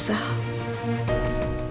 mas al sudah siap